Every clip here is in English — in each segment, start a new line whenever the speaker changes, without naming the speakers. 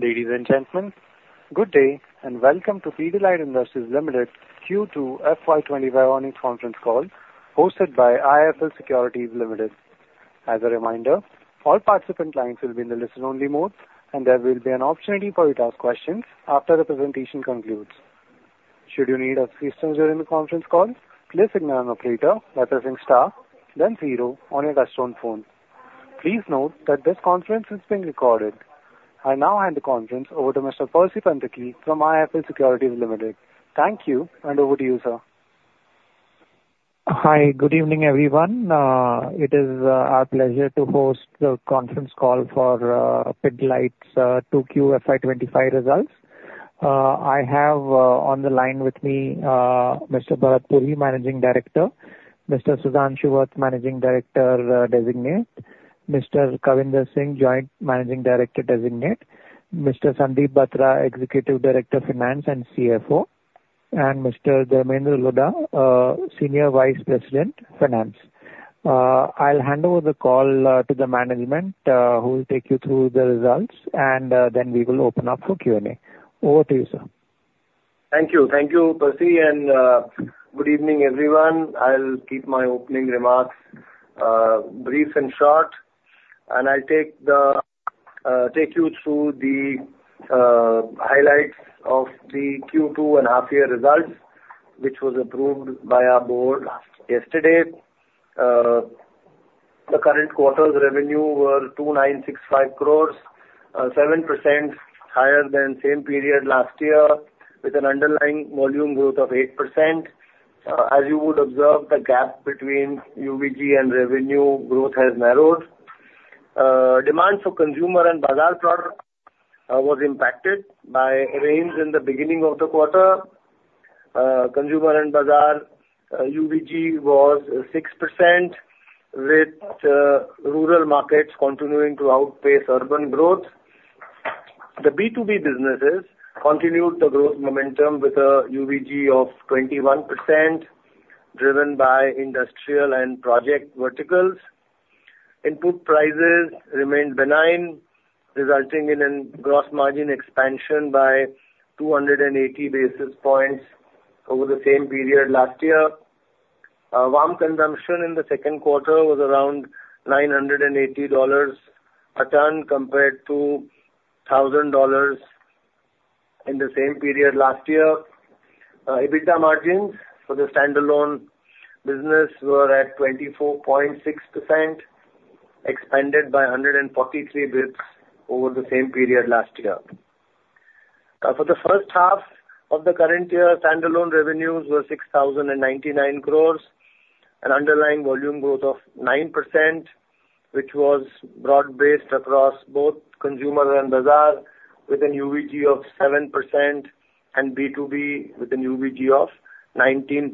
Ladies and gentlemen, good day, and welcome to Pidilite Industries Limited Q2 FY twenty-five earnings conference call, hosted by IIFL Securities Limited. As a reminder, all participant lines will be in the listen-only mode, and there will be an opportunity for you to ask questions after the presentation concludes. Should you need assistance during the conference call, please signal an operator by pressing star then zero on your touchtone phone. Please note that this conference is being recorded. I now hand the conference over to Mr. Percy Panthaki from IIFL Securities Limited. Thank you, and over to you, sir.
Hi. Good evening, everyone. It is our pleasure to host the conference call for Pidilite's 2Q FY25 results. I have on the line with me Mr. Bharat Puri, Managing Director, Mr. Sudhanshu Vats, Managing Director Designate, Mr. Kavinder Singh, Joint Managing Director Designate, Mr. Sandip Batra, Executive Director of Finance and CFO, and Mr. Dharmendra Lodha, Senior Vice President, Finance. I'll hand over the call to the management who will take you through the results, and then we will open up for Q&A. Over to you, sir.
Thank you. Thank you, Percy, and good evening, everyone. I'll keep my opening remarks brief and short, and I'll take you through the highlights of the Q2 and half year results, which was approved by our board yesterday. The current quarter's revenue were 2,965 crores, 7% higher than same period last year, with an underlying volume growth of 8%. As you would observe, the gap between UVG and revenue growth has narrowed. Demand for consumer and bazaar product was impacted by rains in the beginning of the quarter. consumer and bazaar UVG was 6%, with rural markets continuing to outpace urban growth. The B2B businesses continued the growth momentum with a UVG of 21%, driven by industrial and project verticals. Input prices remained benign, resulting in a gross margin expansion by 280 basis points over the same period last year. VAM consumption in the second quarter was around $980 a ton, compared to $1,000 in the same period last year. EBITDA margins for the standalone business were at 24.6%, expanded by 143 basis points over the same period last year. For the first half of the current year, standalone revenues were 6,099 crores, an underlying volume growth of 9%, which was broad-based across both consumer and bazaar, with a UVG of 7% and B2B with a UVG of 19%.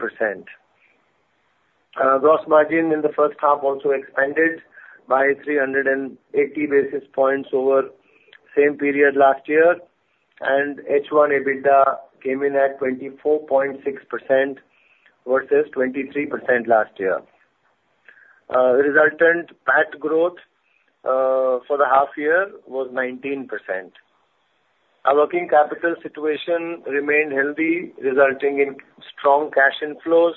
Gross margin in the first half also expanded by 380 basis points over same period last year, and H1 EBITDA came in at 24.6% versus 23% last year. Resultant PAT growth for the half year was 19%. Our working capital situation remained healthy, resulting in strong cash inflows,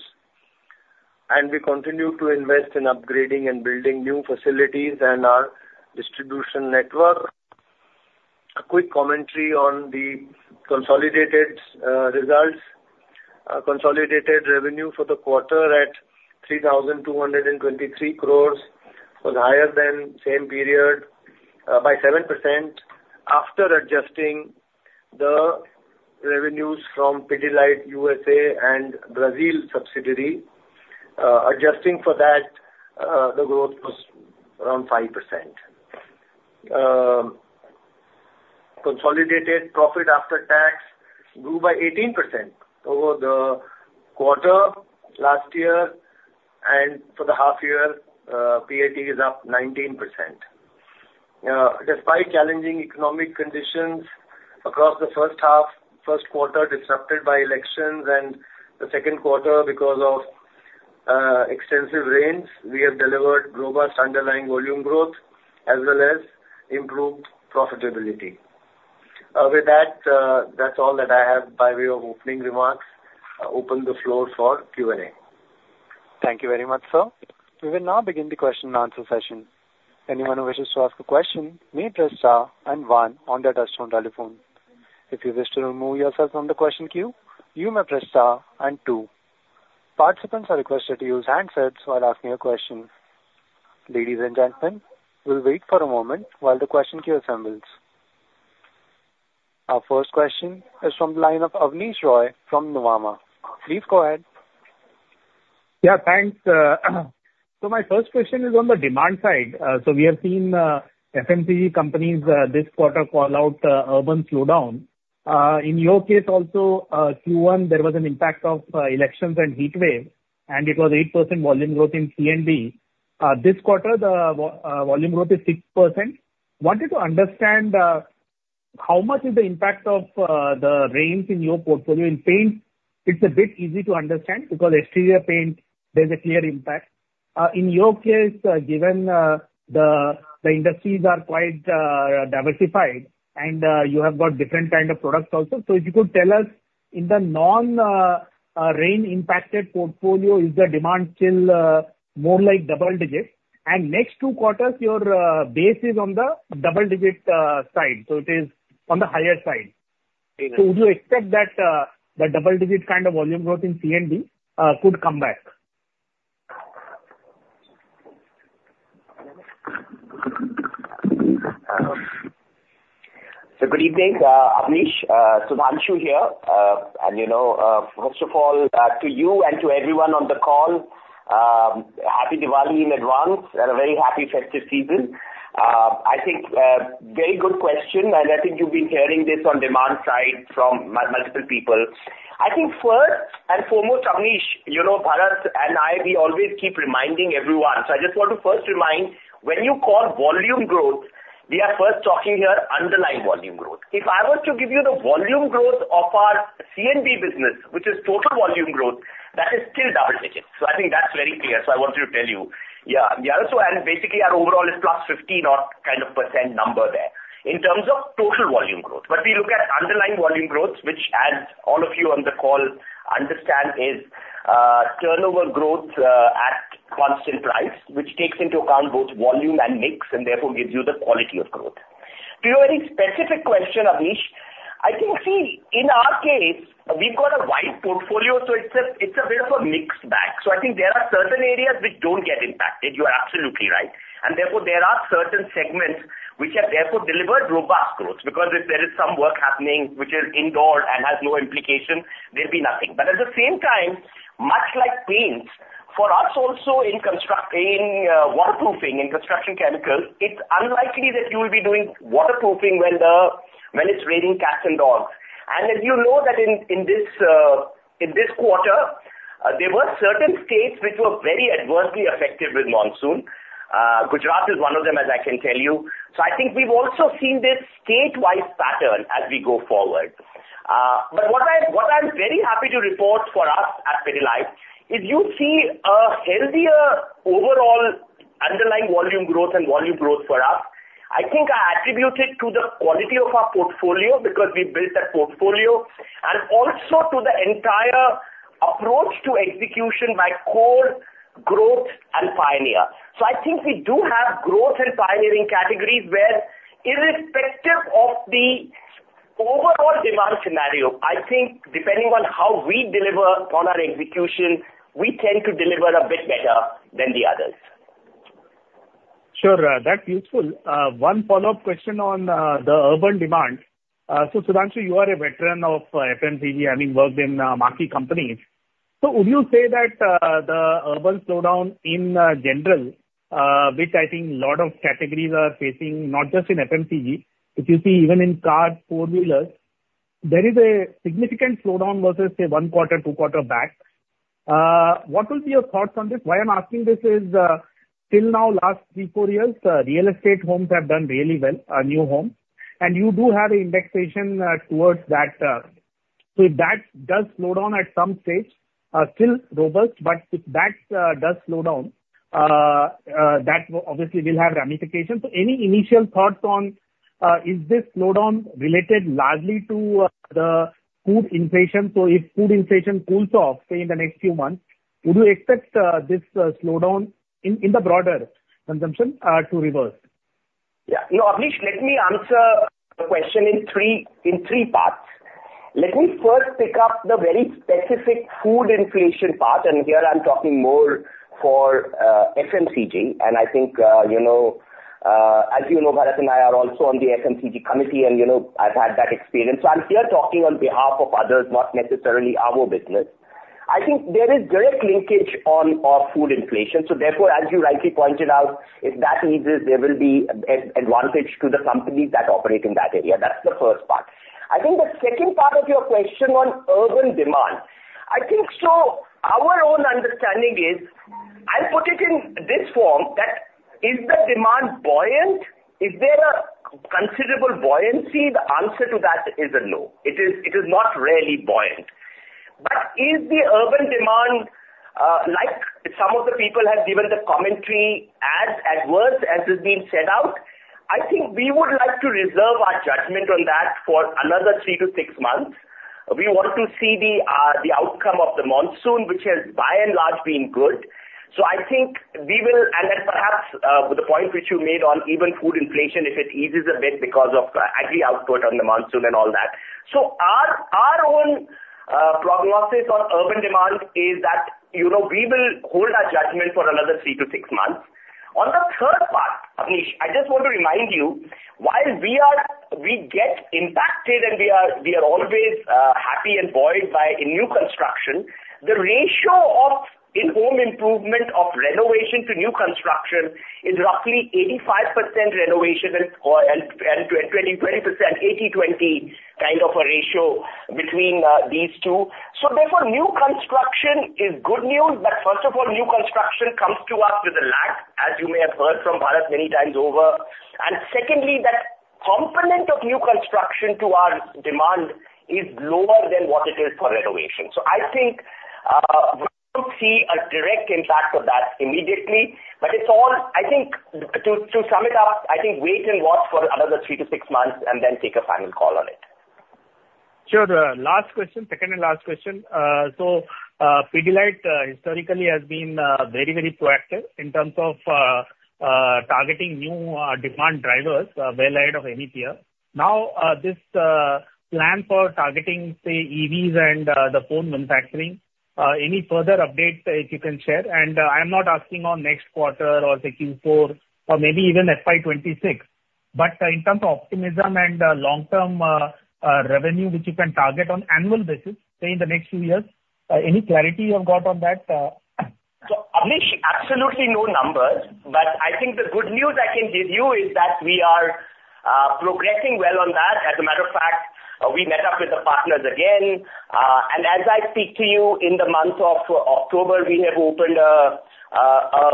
and we continue to invest in upgrading and building new facilities and our distribution network. A quick commentary on the consolidated results. Consolidated revenue for the quarter at 3,222 crores was higher than same period by 7% after adjusting the revenues from Pidilite USA and Brazil subsidiary. Adjusting for that, the growth was around 5%. Consolidated profit after tax grew by 18% over the quarter last year, and for the half year, PAT is up 19%. Despite challenging economic conditions across the first half, first quarter disrupted by elections and the second quarter because of extensive rains, we have delivered robust underlying volume growth as well as improved profitability. With that, that's all that I have by way of opening remarks. I open the floor for Q&A.
Thank you very much, sir. We will now begin the question and answer session. Anyone who wishes to ask a question may press star and one on their touchtone telephone. If you wish to remove yourself from the question queue, you may press star and two. Participants are requested to use handsets while asking a question. Ladies and gentlemen, we'll wait for a moment while the question queue assembles. Our first question is from the line of Avnish Roy from Nomura. Please go ahead.
Yeah, thanks. So my first question is on the demand side. So we have seen FMCG companies this quarter call out urban slowdown. In your case also, Q1, there was an impact of elections and heatwave, and it was 8% volume growth in C&B. This quarter, the volume growth is 6%. Wanted to understand how much is the impact of the rains in your portfolio in paint? It's a bit easy to understand because exterior paint, there's a clear impact. In your case, given the industries are quite diversified and you have got different kind of products also. So if you could tell us, in the non rain-impacted portfolio, is the demand still more like double digits? And next two quarters, your base is on the double-digit side, so it is on the higher side. Would you expect that the double-digit kind of volume growth in C&B could come back?
So good evening, Avnish, Sudhanshu here. And, you know, first of all, to you and to everyone on the call, Happy Diwali in advance and a very happy festive season. I think, very good question, and I think you've been hearing this on demand side from multiple people. I think first and foremost, Avnish, you know, Bharat and I, we always keep reminding everyone. So I just want to first remind, when you call volume growth, we are first talking here underlying volume growth. If I were to give you the volume growth of our C&B business, which is total volume growth, that is still double digits. So I think that's very clear. So I wanted to tell you, yeah, yeah, so and basically our overall is plus 50-odd kind of % number there, in terms of total volume growth. But we look at underlying volume growth, which as all of you on the call understand, is turnover growth at constant price, which takes into account both volume and mix, and therefore gives you the quality of growth. To your very specific question, Avnish, I think, see, in our case, we've got a wide portfolio, so it's a bit of a mixed bag. So I think there are certain areas which don't get impacted. You are absolutely right. And therefore, there are certain segments which have therefore delivered robust growth. Because if there is some work happening which is indoor and has no implication, there'll be nothing. But at the same time, much like paints, for us also in construction, in waterproofing, in construction chemicals, it's unlikely that you will be doing waterproofing when it's raining cats and dogs. As you know that in this quarter, there were certain states which were very adversely affected with monsoon. Gujarat is one of them, as I can tell you. I think we've also seen this state-wide pattern as we go forward. But what I'm very happy to report for us at Pidilite is you see a healthier overall underlying volume growth and volume growth for us. I think I attribute it to the quality of our portfolio, because we built that portfolio, and also to the entire approach to execution by core growth and pioneer. I think we do have growth and pioneering categories, where irrespective of the overall demand scenario, I think depending on how we deliver on our execution, we tend to deliver a bit better than the others.
Sure, that's useful. One follow-up question on the urban demand. So Sudhanshu, you are a veteran of FMCG, having worked in FMCG companies. So would you say that the urban slowdown in general, which I think a lot of categories are facing, not just in FMCG, if you see even in cars, four-wheelers, there is a significant slowdown versus, say, one quarter, two quarters back. What will be your thoughts on this? Why I'm asking this is, till now, last three, four years, real estate homes have done really well, new homes, and you do have indexation towards that. So if that does slow down at some stage, still robust, but if that does slow down, that obviously will have ramifications. So any initial thoughts on is this slowdown related largely to the food inflation? So if food inflation cools off, say, in the next few months, would you expect this slowdown in the broader consumption to reverse?
Yeah. You know, Avnish, let me answer the question in three parts. Let me first pick up the very specific food inflation part, and here I'm talking more for FMCG. And I think, you know, as you know, Bharat and I are also on the FMCG committee, and, you know, I've had that experience. So I'm here talking on behalf of others, not necessarily our business. I think there is direct linkage on food inflation. So therefore, as you rightly pointed out, if that eases, there will be advantage to the companies that operate in that area. That's the first part. I think the second part of your question on urban demand, I think so our own understanding is, I'll put it in this form, that is the demand buoyant? Is there a considerable buoyancy? The answer to that is a no. It is not really buoyant. But is the urban demand, like some of the people have given the commentary, as adverse as is being said out? I think we would like to reserve our judgment on that for another three to six months. We want to see the outcome of the monsoon, which has by and large been good. So I think we will. And then perhaps, with the point which you made on even food inflation, if it eases a bit because of the agri output on the monsoon and all that. So our own prognosis on urban demand is that, you know, we will hold our judgment for another three to six months. On the third part, Avnish, I just want to remind you, while we get impacted and we are always happy and buoyed by a new construction, the ratio of in-home improvement or renovation to new construction is roughly 85% renovation and 20%, 80/20 kind of a ratio between these two. So therefore, new construction is good news, but first of all, new construction comes to us with a lag, as you may have heard from Bharat many times over, and secondly, that component of new construction to our demand is lower than what it is for renovation. So I think we don't see a direct impact of that immediately, but it's all, I think, to sum it up, I think wait and watch for another three to six months and then take a final call on it.
Sure. Last question, second and last question. So, Pidilite historically has been very, very proactive in terms of targeting new demand drivers well ahead of any peer. Now, this plan for targeting, say, EVs and the phone manufacturing, any further updates you can share? And, I'm not asking on next quarter or Q4 or maybe even FY 26, but in terms of optimism and long-term revenue, which you can target on annual basis, say, in the next few years, any clarity you have got on that?
So, Avnish, absolutely no numbers, but I think the good news I can give you is that we are progressing well on that. As a matter of fact, we met up with the partners again. And as I speak to you, in the month of October, we have opened an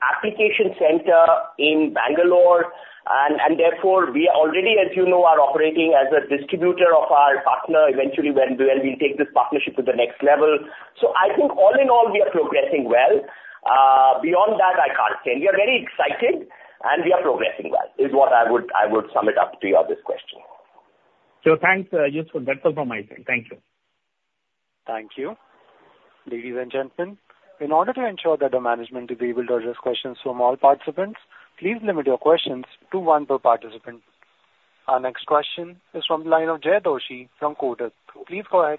application center in Bangalore. And therefore, we already, as you know, are operating as a distributor of our partner, eventually when we take this partnership to the next level. So I think all in all, we are progressing well. Beyond that, I can't say. We are very excited, and we are progressing well, is what I would sum it up to you on this question.
So thanks, useful. That's all from my side. Thank you.
Thank you. Ladies and gentlemen, in order to ensure that the management is able to address questions from all participants, please limit your questions to one per participant. Our next question is from the line of Jay Doshi from Kotak. Please go ahead.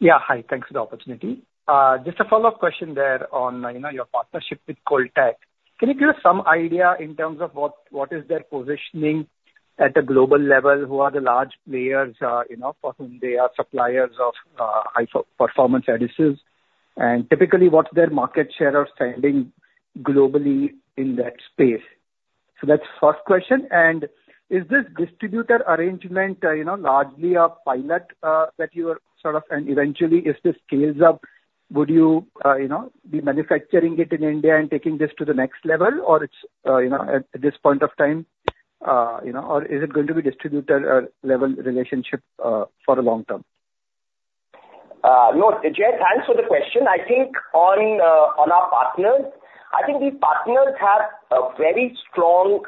Yeah, hi. Thanks for the opportunity. Just a follow-up question there on, you know, your partnership with CollTech. Can you give some idea in terms of what, what is their positioning at the global level? Who are the large players, you know, for whom they are suppliers of, high performance additives? And typically, what's their market share or standing globally in that space? So that's first question. And is this distributor arrangement, you know, largely a pilot, that you are sort of. And eventually, if this scales up, would you, you know, be manufacturing it in India and taking this to the next level? Or it's, you know, at this point of time, you know, or is it going to be distributor, level relationship, for the long term?
Look, Jay, thanks for the question. I think on our partners, I think these partners have a very strong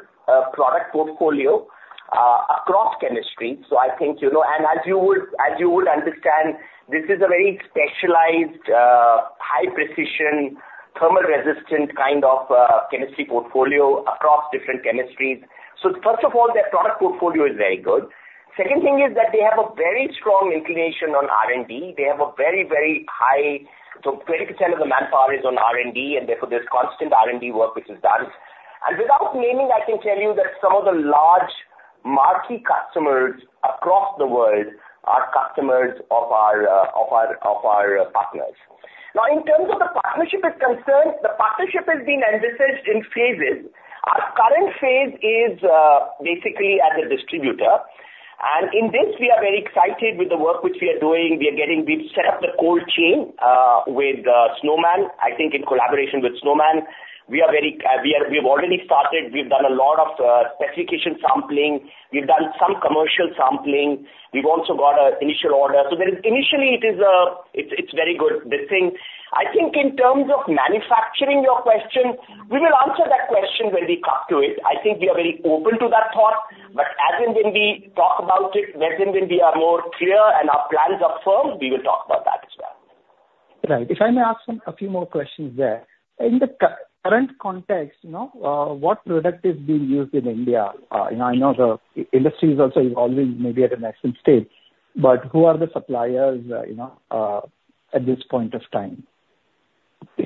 product portfolio across chemistry. So I think, you know, and as you would understand, this is a very specialized high precision, thermal-resistant kind of chemistry portfolio across different chemistries. So first of all, their product portfolio is very good. Second thing is that they have a very strong inclination on R&D. They have a very high. So 20% of the manpower is on R&D, and therefore, there's constant R&D work which is done. And without naming, I can tell you that some of the large marquee customers across the world are customers of our partners. Now, in terms of the partnership is concerned, the partnership has been envisaged in phases. Our current phase is basically as a distributor, and in this we are very excited with the work which we are doing. We've set up the cold chain with Snowman. I think in collaboration with Snowman, we are very. We've already started. We've done a lot of specification sampling. We've done some commercial sampling. We've also got an initial order. So then initially it is. It's very good, this thing. I think in terms of manufacturing, your question, we will answer that question when we come to it. I think we are very open to that thought, but as and when we talk about it, as and when we are more clear and our plans are firm, we will talk about that as well.
Right. If I may ask some, a few more questions there. In the current context, you know, what product is being used in India? You know, I know the industry is also evolving, maybe at a nascent stage, but who are the suppliers, you know, at this point of time?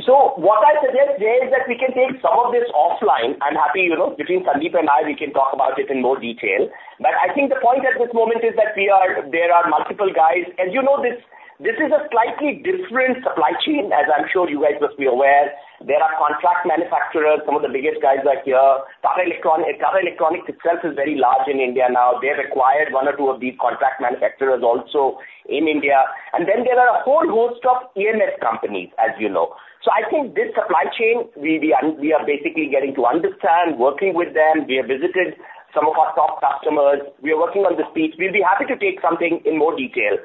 So what I suggest, Jay, is that we can take some of this offline. I'm happy, you know, between Sandeep and I, we can talk about it in more detail. But I think the point at this moment is that we are, there are multiple guys, and you know, this is a slightly different supply chain, as I'm sure you guys must be aware. There are contract manufacturers. Some of the biggest guys are here. Tata Electron- Tata Electronics itself is very large in India now. They've acquired one or two of these contract manufacturers also in India. And then there are a whole host of EMS companies, as you know. So I think this supply chain, we are basically getting to understand, working with them. We have visited some of our top customers. We are working on this piece. We'll be happy to take something in more detail,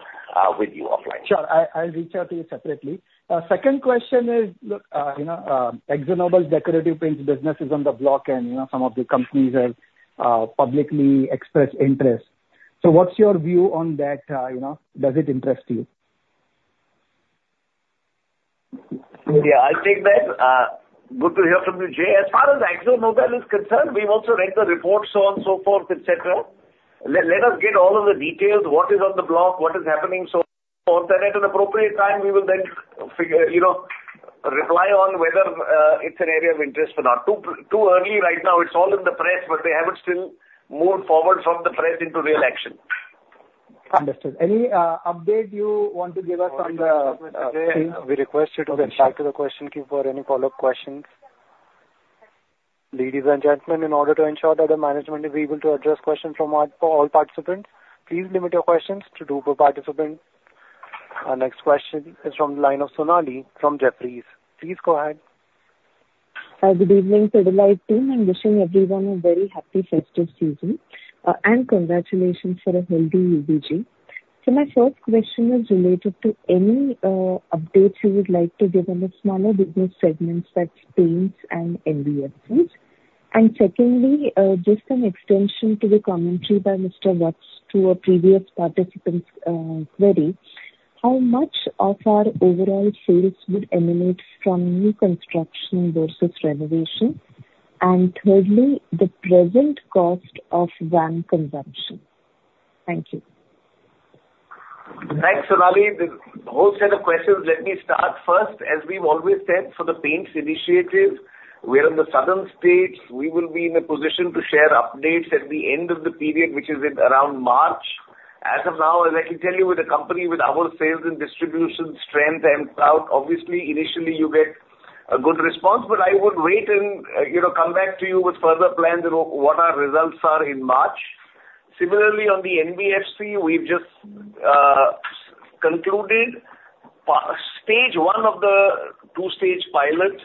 with you offline.
Sure. I'll reach out to you separately. Second question is, look, you know, AkzoNobel Decorative Paints business is on the block, and, you know, some of the companies have publicly expressed interest. So what's your view on that, you know? Does it interest you?
Yeah, I'll take that. Good to hear from you, Jay. As far as AkzoNobel is concerned, we've also read the reports, so on, so forth, et cetera. Let us get all of the details, what is on the block, what is happening, so on. So at an appropriate time, we will then figure, you know, reply on whether it's an area of interest or not. Too early right now, it's all in the press, but they haven't still moved forward from the press into real action.
Understood. Any update you want to give us on the,
We request you to back to the question queue for any follow-up questions. Ladies and gentlemen, in order to ensure that the management is able to address questions from all participants, please limit your questions to two per participant. Our next question is from the line of Sonali from Jefferies. Please go ahead.
Good evening, Pidilite team, and wishing everyone a very happy festive season, and congratulations for a healthy UVG. My first question is related to any updates you would like to give on the smaller business segments, like Paints and NBFCs. Secondly, just an extension to the commentary by Mr. Vats to a previous participant's query, how much of our overall sales would emanate from new construction versus renovation? Thirdly, the present cost of VAM consumption. Thank you.
Thanks, Sonali. The whole set of questions, let me start first. As we've always said, for the Paints initiative, we're in the southern states. We will be in a position to share updates at the end of the period, which is in around March. As of now, and I can tell you with the company, with our sales and distribution strength, I am proud, obviously, initially you get a good response, but I would wait and, you know, come back to you with further plans on what our results are in March. Similarly, on the NBFC, we've just concluded stage one of the two-stage pilot.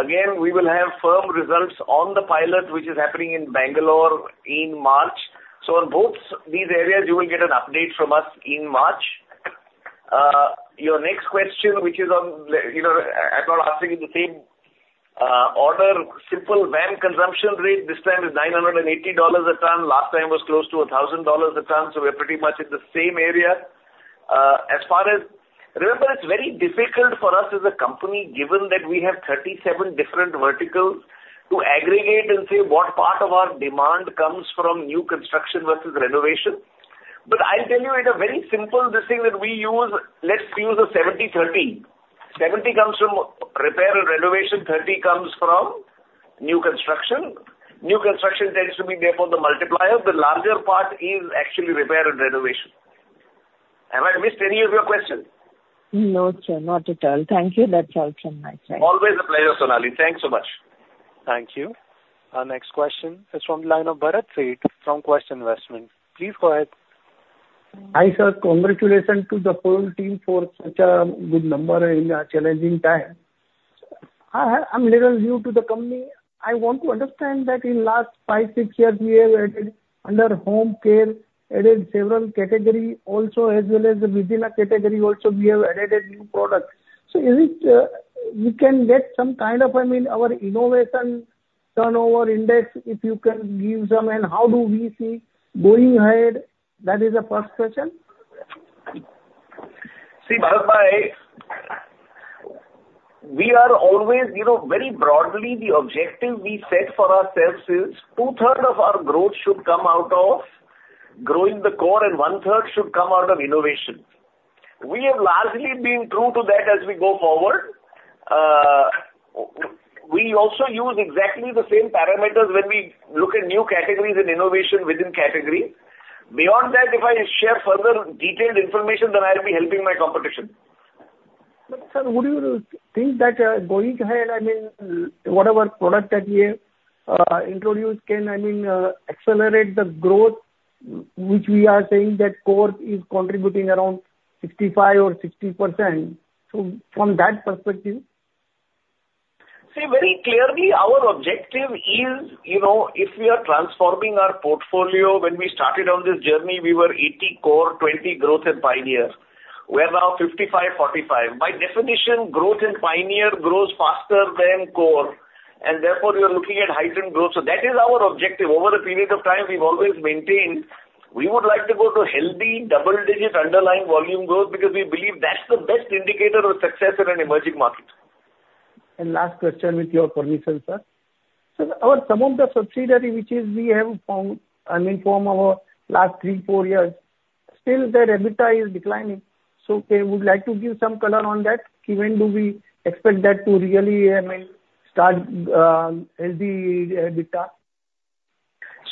Again, we will have firm results on the pilot, which is happening in Bangalore in March. So on both these areas, you will get an update from us in March. Your next question, which is on, you know, I'm not asking in the same, order. VAM consumption rate this time is $980 a ton. Last time was close to $1,000 a ton, so we're pretty much in the same area. As far as... Remember, it's very difficult for us as a company, given that we have 37 different verticals, to aggregate and say what part of our demand comes from new construction versus renovation. But I'll tell you in a very simple, this thing that we use, let's use a 70-30. Seventy comes from repair and renovation, thirty comes from new construction. New construction tends to be therefore the multiplier. The larger part is actually repair and renovation. Have I missed any of your questions?
No, sir, not at all. Thank you. That's all from my side.
Always a pleasure, Sonali. Thanks so much.
Thank you. Our next question is from the line of Bharat Sheth from Quest Investment Advisors. Please go ahead.
Hi, sir. Congratulations to the whole team for such a good number in a challenging time. I, I'm little new to the company. I want to understand that in last five, six years, we have added under home care, added several category also, as well as within a category also, we have added a new product. So is it, we can get some kind of, I mean, our innovation turnover index, if you can give some, and how do we see going ahead? That is the first question.
See, Bharat, we are always, you know, very broadly, the objective we set for ourselves is two-thirds of our growth should come out of growing the core, and one-third should come out of innovation. We have largely been true to that as we go forward. We also use exactly the same parameters when we look at new categories and innovation within category. Beyond that, if I share further detailed information, then I'll be helping my competition.
But, sir, would you think that, going ahead, I mean, whatever product that we have introduced can, I mean, accelerate the growth, which we are saying that core is contributing around 65 or 60%, so from that perspective?
See, very clearly our objective is, you know, if we are transforming our portfolio, when we started on this journey, we were 80 core, 20 growth and pioneer. We're now 55, 45. By definition, growth and pioneer grows faster than core, and therefore you're looking at heightened growth. So that is our objective. Over a period of time, we've always maintained, we would like to go to healthy, double-digit, underlying volume growth, because we believe that's the best indicator of success in an emerging market.
And last question, with your permission, sir. Sir, our some of the subsidiary which is we have found, I mean, from our last three, four years, still their EBITDA is declining, so, would like to give some color on that. When do we expect that to really, I mean, start, as the, EBITDA?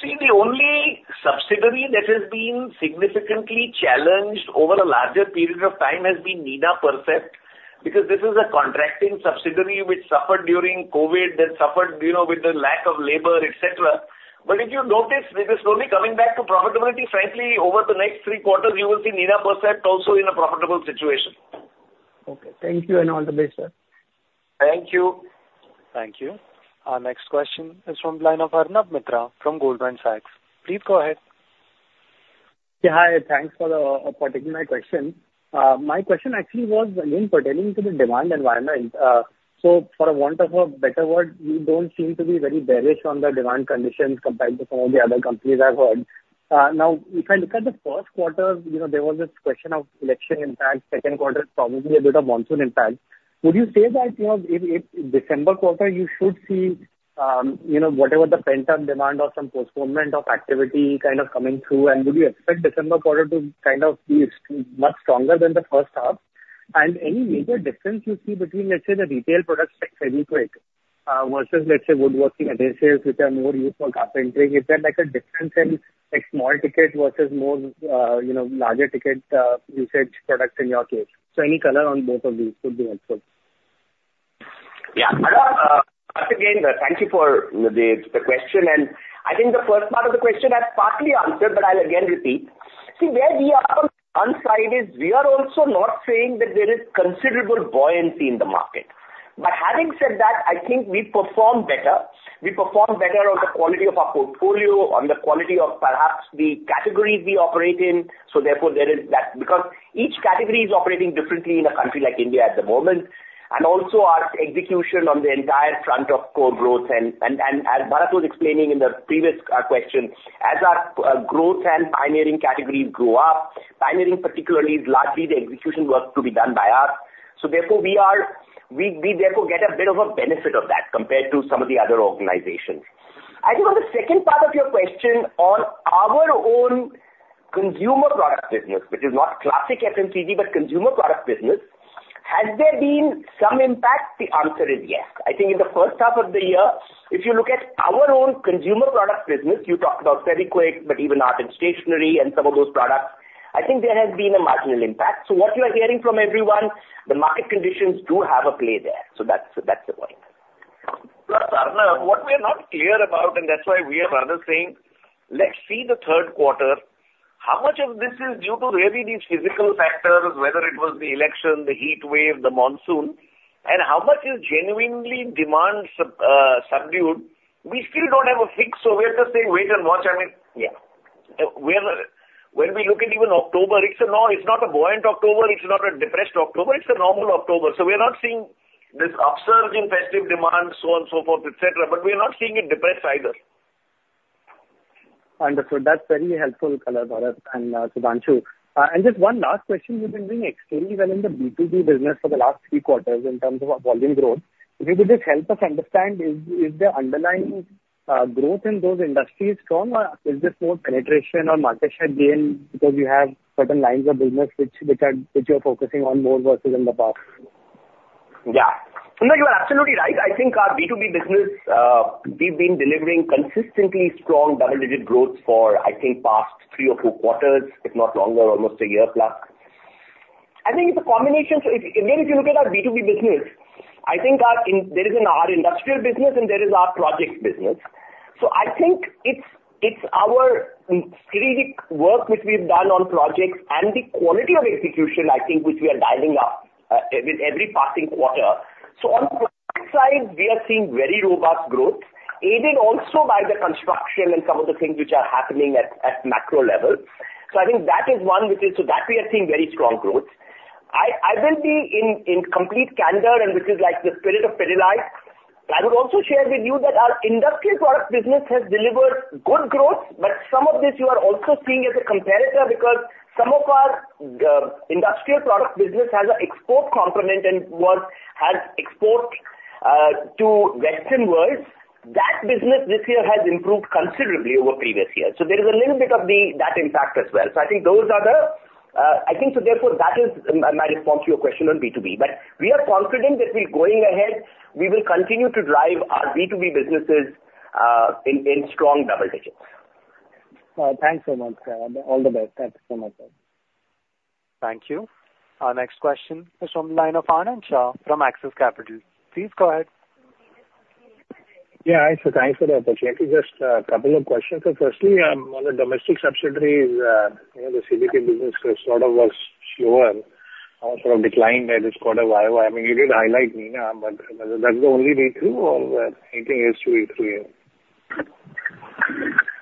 See, the only subsidiary that has been significantly challenged over a larger period of time has been Nina Percept, because this is a contracting subsidiary which suffered during COVID, then suffered, you know, with the lack of labor, et cetera. But if you notice, it is slowly coming back to profitability. Frankly, over the next three quarters, you will see Nina Percept also in a profitable situation.
Okay. Thank you, and all the best, sir.
Thank you.
Thank you. Our next question is from line of Arnab Mitra from Goldman Sachs. Please go ahead.
Yeah, hi, thanks for taking my question. My question actually was, again, pertaining to the demand environment. So for want of a better word, you don't seem to be very bearish on the demand conditions compared to some of the other companies I've heard. Now, if I look at the first quarter, you know, there was this question of election impact, second quarter, probably a bit of monsoon impact. Would you say that, you know, in December quarter, you should see, you know, whatever the pent-up demand or some postponement of activity kind of coming through? And would you expect December quarter to kind of be much stronger than the first half? And any major difference you see between, let's say, the retail product like Fevikwik, versus, let's say, woodworking adhesives which are more used for carpentry. Is there, like, a difference in, like, small ticket versus more, you know, larger ticket, usage products in your case? So any color on both of these would be helpful.
Yeah, Arnab, once again, thank you for the question, and I think the first part of the question I've partly answered, but I'll again repeat. See, where we are on one side is, we are also not saying that there is considerable buoyancy in the market. But having said that, I think we perform better. We perform better on the quality of our portfolio, on the quality of perhaps the categories we operate in, so therefore, there is that. Because each category is operating differently in a country like India at the moment, and also our execution on the entire front of core growth. And as Bharat was explaining in the previous question, as our growth and pioneering categories grow up, pioneering particularly is largely the execution work to be done by us. Therefore, we get a bit of a benefit of that compared to some of the other organizations. I think on the second part of your question on our own consumer product business, which is not classic FMCG, but consumer product business, has there been some impact? The answer is yes. I think in the first half of the year, if you look at our own consumer product business, you talked about Fevikwik, but even art and stationery and some of those products, I think there has been a marginal impact. So what you are hearing from everyone, the market conditions do have a play there, so that's the point. Plus, Arnav, what we are not clear about, and that's why we are rather saying, "Let's see the third quarter." How much of this is due to really these physical factors, whether it was the election, the heat wave, the monsoon, and how much is genuinely demand subdued? We still don't have a fix, so we are just saying, "Wait and watch." I mean, we are, when we look at even October, it's not a buoyant October, it's not a depressed October, it's a normal October. So we are not seeing this upsurge in festive demand, so on and so forth, et cetera, but we are not seeing it depressed either.
Understood. That's very helpful, Bharat and Sudhanshu. And just one last question: You've been doing extremely well in the B2B business for the last three quarters in terms of volume growth. Maybe just help us understand, is the underlying growth in those industries strong, or is this more penetration or market share gain because you have certain lines of business which you are focusing on more versus in the past?
Yeah. No, you are absolutely right. I think our B2B business, we've been delivering consistently strong double-digit growth for, I think, past three or four quarters, if not longer, almost a year plus. I think it's a combination. So if, again, if you look at our B2B business, I think our industrial business and our project business. So I think it's our strategic work which we've done on projects and the quality of execution, I think, which we are dialing up with every passing quarter. So on project side, we are seeing very robust growth, aided also by the construction and some of the things which are happening at macro level. So I think that is one, so that we are seeing very strong growth. I will be in complete candor, and which is like the spirit of Pidilite. I would also share with you that our industrial product business has delivered good growth, but some of this you are also seeing as a competitor because some of our industrial product business has an export component and exports to western worlds. That business this year has improved considerably over previous years. So there is a little bit of that impact as well. So I think those are the. I think so therefore, that is my response to your question on B2B. But we are confident that we're going ahead, we will continue to drive our B2B businesses in strong double digits.
Thanks so much. All the best. Thanks so much.
Thank you. Our next question is from the line of Anand Shah from Axis Capital. Please go ahead.
Yeah, hi sir, thanks for the opportunity. Just, a couple of questions. So firstly, on the domestic subsidiaries, you know, the C&B business sort of was slower or sort of declined at this quarter YOY. I mean, you did highlight Nina, but that's the only way through or anything else to it for you?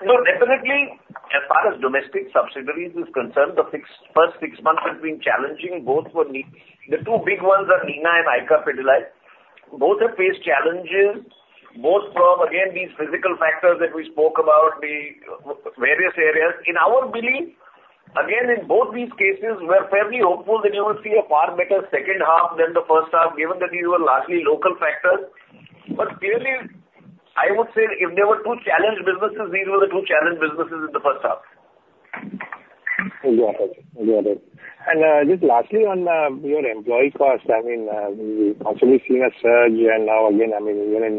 No, definitely, as far as domestic subsidiaries is concerned, the first six months have been challenging both for me. The two big ones are Nina and ICA Pidilite. Both have faced challenges, both from, again, these physical factors that we spoke about, the various areas. In our belief, again, in both these cases, we're fairly hopeful that you will see a far better second half than the first half, given that these were largely local factors. But clearly, I would say if there were two challenged businesses, these were the two challenged businesses in the first half.
Got it. Got it. And, just lastly on your employee cost, I mean, we've also been seeing a surge, and now again, I mean, even in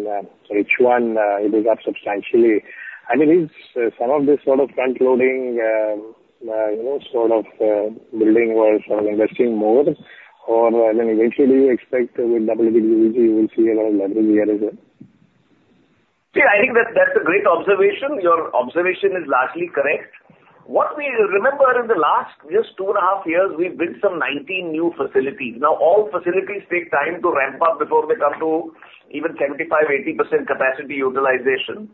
H1, it is up substantially. I mean, is some of this sort of front loading, you know, sort of building or sort of investing more? Or, I mean, eventually you expect with UVG, you will see a lot of level here as well.
See, I think that, that's a great observation. Your observation is largely correct. What we remember in the last just two and a half years, we've built some nineteen new facilities. Now, all facilities take time to ramp up before they come to even 75-80% capacity utilization.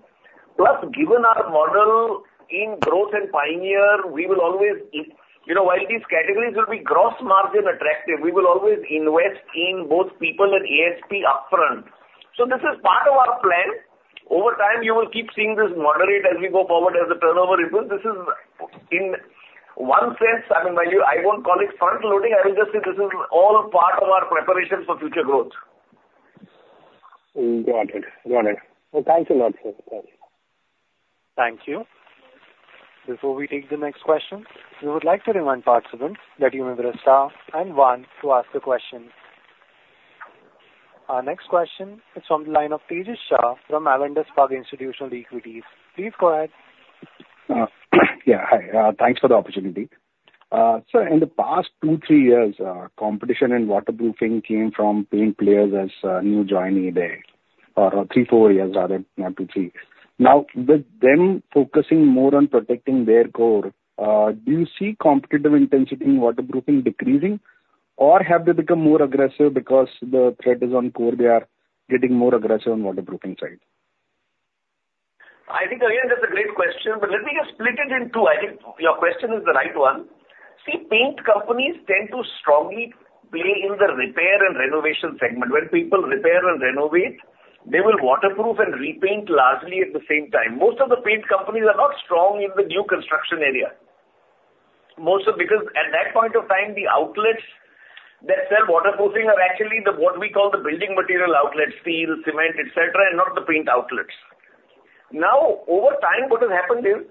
Plus, given our model in growth and pioneer, we will always, you know, while these categories will be gross margin attractive, we will always invest in both people and ASP upfront. So this is part of our plan. Over time, you will keep seeing this moderate as we go forward, as the turnover improves. This is, in one sense, I mean, when you, I won't call it front loading, I will just say this is all part of our preparation for future growth.
Got it. Got it. Well, thank you very much, sir. Thank you.
Thank you. Before we take the next question, we would like to remind participants that you may press star and one to ask the question. Our next question is from the line of Tejas Shah from Avendus Spark Institutional Equities. Please go ahead.
Yeah, hi, thanks for the opportunity. So in the past two, three years, competition in waterproofing came from paint players as new joinee there, or three, four years rather, not two, three. Now, with them focusing more on protecting their core, do you see competitive intensity in waterproofing decreasing, or have they become more aggressive because the threat is on core, they are getting more aggressive on waterproofing side?
I think, again, that's a great question, but let me just split it in two. I think your question is the right one. See, paint companies tend to strongly play in the repair and renovation segment. When people repair and renovate, they will waterproof and repaint largely at the same time. Most of the paint companies are not strong in the new construction area. Because at that point of time, the outlets that sell waterproofing are actually the, what we call the building material outlets, steel, cement, et cetera, and not the paint outlets. Now, over time, what has happened is,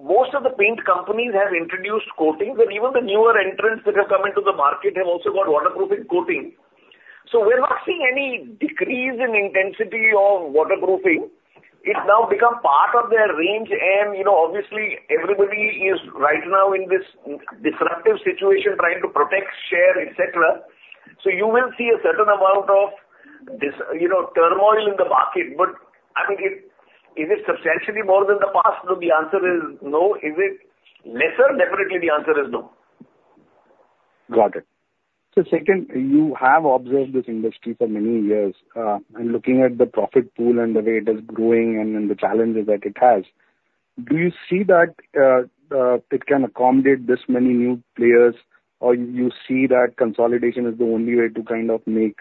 most of the paint companies have introduced coatings, and even the newer entrants that have come into the market have also got waterproofing coating. So we're not seeing any decrease in intensity of waterproofing. It's now become part of their range and, you know, obviously, everybody is right now in this disruptive situation, trying to protect share, et cetera. So you will see a certain amount of this, you know, turmoil in the market, but I think it... Is it substantially more than the past? No, the answer is no. Is it lesser? Definitely, the answer is no.
Got it. So second, you have observed this industry for many years, and looking at the profit pool and the way it is growing and then the challenges that it has, do you see that it can accommodate this many new players, or you see that consolidation is the only way to kind of make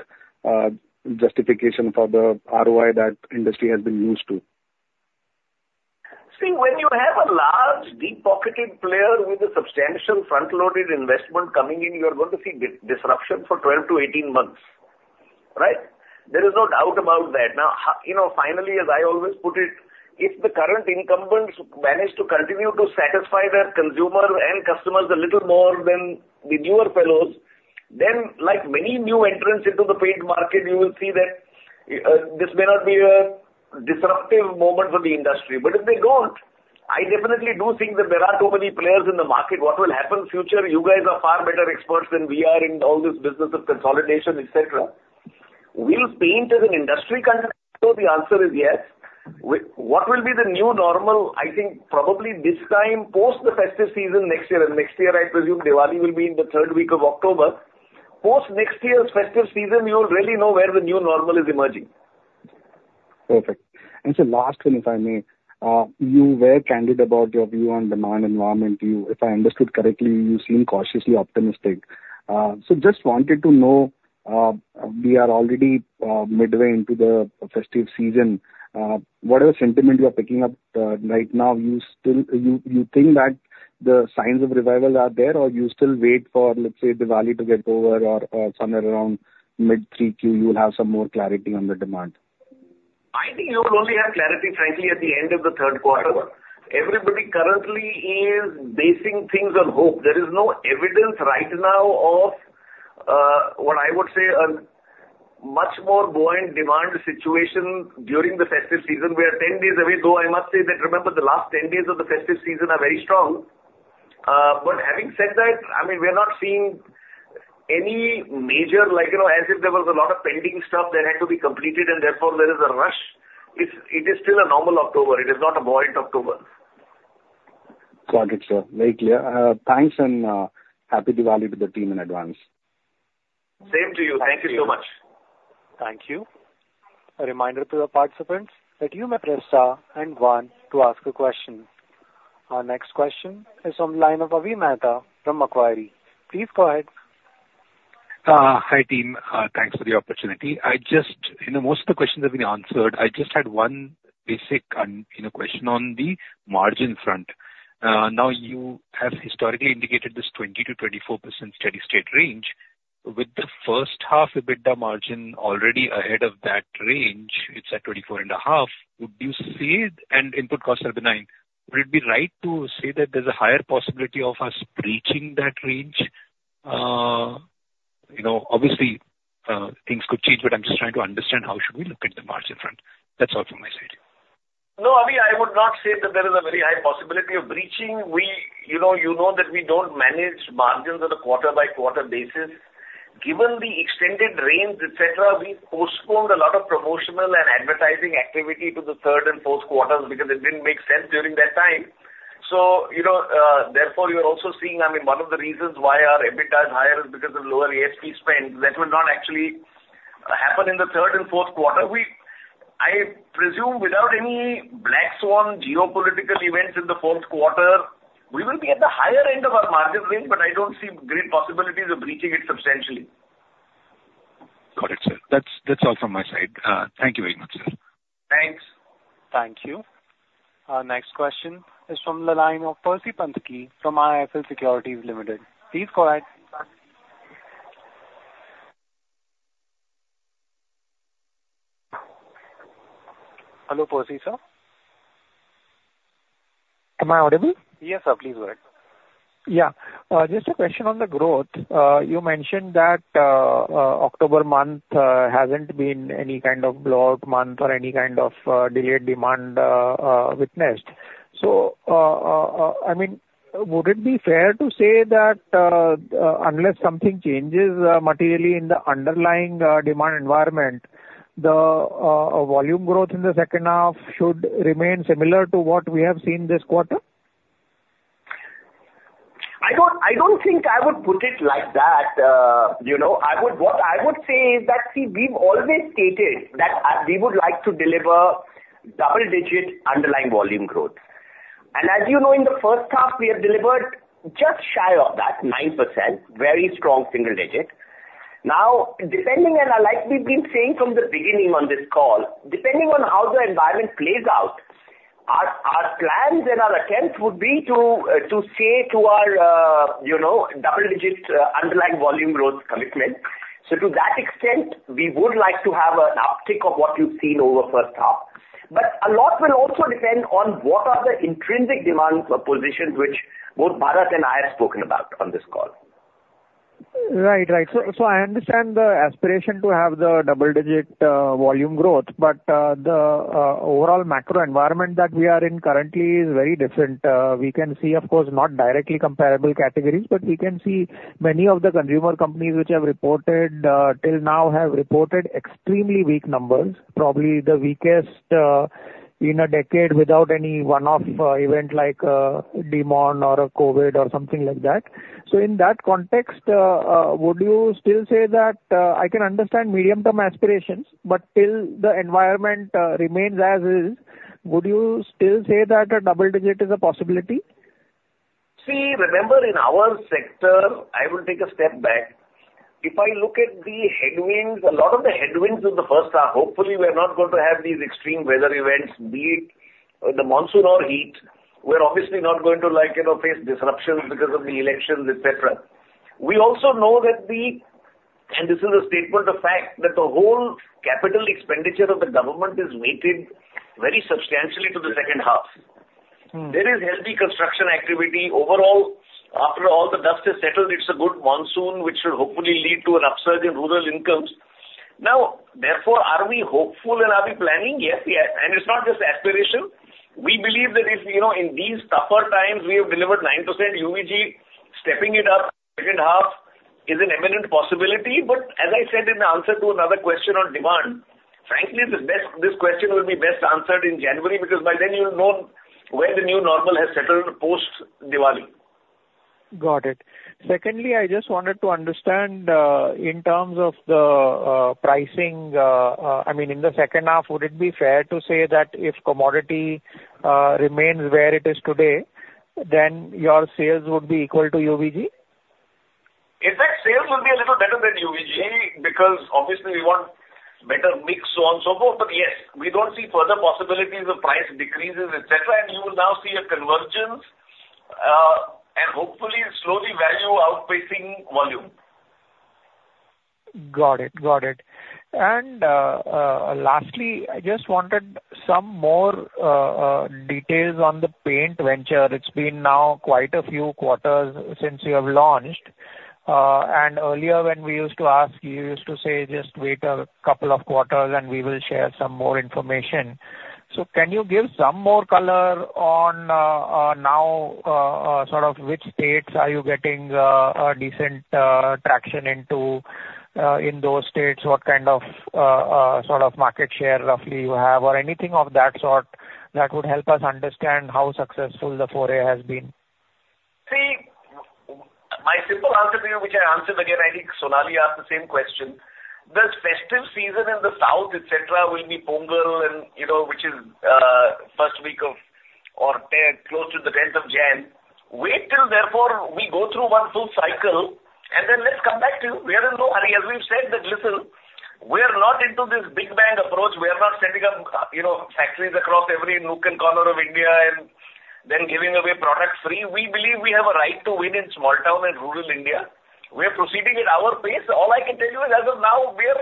justification for the ROI that industry has been used to?
See, when you have a large, deep-pocketed player with a substantial front-loaded investment coming in, you're going to see disruption for 12-18 months, right? There is no doubt about that. Now, you know, finally, as I always put it, if the current incumbents manage to continue to satisfy their consumer and customers a little more than the newer fellows, then like many new entrants into the paint market, you will see that this may not be a disruptive moment for the industry. But if they don't, I definitely do think that there are too many players in the market. What will happen future, you guys are far better experts than we are in all this business of consolidation, et cetera. Will paint as an industry contract? So the answer is yes. What will be the new normal? I think probably this time, post the festive season next year, and next year, I presume Diwali will be in the third week of October. Post next year's festive season, you'll really know where the new normal is emerging.
Perfect. And so last one, if I may. You were candid about your view on demand environment. You, if I understood correctly, you seem cautiously optimistic. So just wanted to know, we are already midway into the festive season, whatever sentiment you are picking up right now, you still think that the signs of revival are there, or you still wait for, let's say, Diwali to get over or somewhere around mid-Q3, you will have some more clarity on the demand?
I think you'll only have clarity, frankly, at the end of the third quarter. Everybody currently is basing things on hope. There is no evidence right now of what I would say, a much more buoyant demand situation during the festive season. We are ten days away, though I must say that, remember, the last ten days of the festive season are very strong. But having said that, I mean, we are not seeing any major, like, you know, as if there was a lot of pending stuff that had to be completed, and therefore there is a rush. It's, it is still a normal October. It is not a buoyant October.
Got it, sir. Very clear. Thanks, and happy Diwali to the team in advance.
Same to you. Thank you so much.
Thank you. A reminder to the participants that you may press star and one to ask a question. Our next question is from the line of Avi Mehta from Macquarie. Please go ahead.
Hi, team. Thanks for the opportunity. I just, you know, most of the questions have been answered. I just had one basic, you know, question on the margin front. Now, you have historically indicated this 20-24% steady state range. With the first half EBITDA margin already ahead of that range, it's at 24.5%, would you say, and input costs are benign, would it be right to say that there's a higher possibility of us breaching that range? You know, obviously, things could change, but I'm just trying to understand how should we look at the margin front. That's all from my side.
No, Avi, I would not say that there is a very high possibility of breaching. We, you know, you know that we don't manage margins on a quarter-by-quarter basis. Given the extended range, et cetera, we postponed a lot of promotional and advertising activity to the third and fourth quarters because it didn't make sense during that time. So, you know, therefore, you're also seeing, I mean, one of the reasons why our EBITDA is higher is because of lower ASP spend. That will not actually happen in the third and fourth quarter. We, I presume without any black swan geopolitical events in the fourth quarter, we will be at the higher end of our margin range, but I don't see great possibilities of breaching it substantially.
Got it, sir. That's all from my side. Thank you very much, sir.
Thanks.
Thank you. Our next question is from the line of Percy Panthaki from IIFL Securities Limited. Please go ahead. Hello, Percy, sir?
Am I audible?
Yes, sir, please go ahead.
Yeah. Just a question on the growth. You mentioned that October month hasn't been any kind of blowout month or any kind of delayed demand witnessed. So, I mean, would it be fair to say that unless something changes materially in the underlying demand environment, the volume growth in the second half should remain similar to what we have seen this quarter?
I don't think I would put it like that, you know. What I would say is that, see, we've always stated that we would like to deliver double-digit underlying volume growth. And as you know, in the first half, we have delivered just shy of that, 9%, very strong single digit. Now, depending, and like we've been saying from the beginning on this call, depending on how the environment plays out, our plans and our attempt would be to stay to our, you know, double-digit underlying volume growth commitment. So to that extent, we would like to have an uptick of what you've seen over first half. But a lot will also depend on what are the intrinsic demand positions, which both Bharat and I have spoken about on this call.
Right. So I understand the aspiration to have the double-digit volume growth, but the overall macro environment that we are in currently is very different. We can see, of course, not directly comparable categories, but we can see many of the consumer companies which have reported till now have reported extremely weak numbers, probably the weakest in a decade, without any one-off event like demon or a COVID or something like that. So in that context, would you still say that I can understand medium-term aspirations, but till the environment remains as is, would you still say that a double digit is a possibility?
See, remember, in our sector, I would take a step back. If I look at the headwinds, a lot of the headwinds in the first half, hopefully we're not going to have these extreme weather events, be it the monsoon or heat. We're obviously not going to like, you know, face disruptions because of the elections, et cetera. We also know that the... and this is a statement of fact, that the whole capital expenditure of the government is weighted very substantially to the second half. There is healthy construction activity. Overall, after all the dust has settled, it's a good monsoon, which will hopefully lead to an upsurge in rural incomes. Now, therefore, are we hopeful and are we planning? Yes, we are. And it's not just aspiration. We believe that if, you know, in these tougher times, we have delivered 9% UVG, stepping it up second half is an imminent possibility. But as I said in the answer to another question on demand, frankly, the best. This question will be best answered in January, because by then you'll know where the new normal has settled post-Diwali.
Got it. Secondly, I just wanted to understand, in terms of the pricing, I mean, in the second half, would it be fair to say that if commodity remains where it is today, then your sales would be equal to UVG?
In fact, sales will be a little better than UVG, because obviously we want better mix on so on so forth. But yes, we don't see further possibilities of price decreases, et cetera. You will now see a convergence, and hopefully slowly value outpacing volume.
Got it. And, lastly, I just wanted some more details on the paint venture. It's been now quite a few quarters since you have launched. And earlier when we used to ask, you used to say, "Just wait a couple of quarters and we will share some more information." So can you give some more color on, now, sort of which states are you getting a decent traction into, in those states? What kind of sort of market share roughly you have or anything of that sort, that would help us understand how successful the foray has been?
See, my simple answer to you, which I answered again, I think Sonali asked the same question. The festive season in the south, et cetera, will be Pongal and, you know, which is first week of or close to the tenth of January. Wait till therefore we go through one full cycle, and then let's come back to you. We are in no hurry. As we've said that, listen, we are not into this big bang approach. We are not setting up, you know, factories across every nook and corner of India and then giving away products free. We believe we have a right to win in small town and rural India. We are proceeding at our pace. All I can tell you is, as of now, we are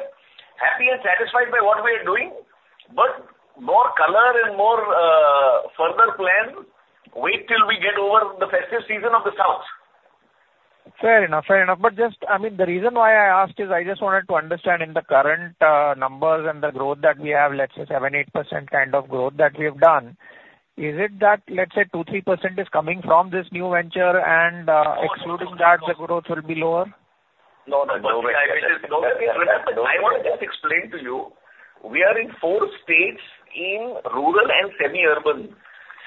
happy and satisfied by what we are doing. But more color and more further plan. Wait till we get over the festive season of the South.
Fair enough. Fair enough. But just... I mean, the reason why I asked is, I just wanted to understand in the current numbers and the growth that we have, let's say 7-8% kind of growth that we've done, is it that, let's say, 2-3% is coming from this new venture and excluding that, the growth will be lower?
No, no. I want to just explain to you, we are in four states in rural and semi-urban.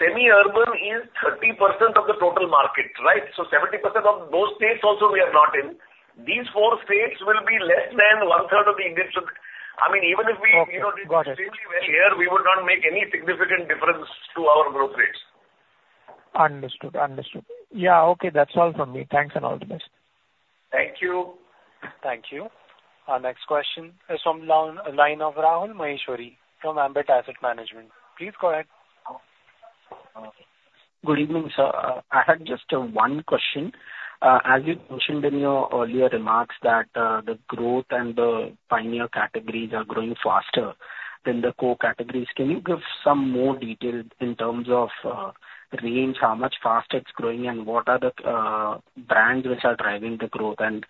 Semi-urban is 30% of the total market, right? So 70% of those states also, we are not in. These four states will be less than one-third of the Indian sub- I mean, even if we, you know, extremely well here, we would not make any significant difference to our growth rates.
Understood. Understood. Yeah, okay. That's all from me. Thanks, and all the best.
Thank you.
Thank you. Our next question is from the line of Rahul Maheshwari from Ambit Asset Management. Please go ahead.
Good evening, sir. I had just one question as you mentioned in your earlier remarks that the growth and the pioneer categories are growing faster than the core categories. Can you give some more detail in terms of range, how much fast it's growing, and what are the brands which are driving the growth? And